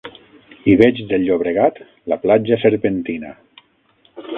I veig del Llobregat la platja serpentina